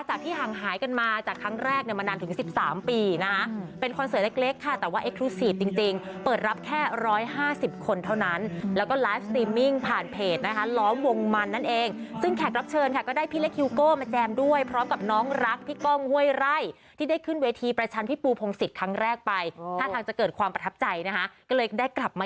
จากที่ห่างหายกันมาจากครั้งแรกเนี้ยมานานถึงสิบสามปีนะคะเป็นโควิด